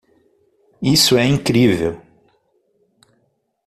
Isso é incrível!